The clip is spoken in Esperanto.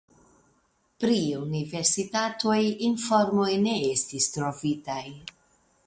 Pri universitatoj informoj ne estis trovitaj.